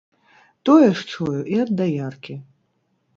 Тое ж чую і ад даяркі.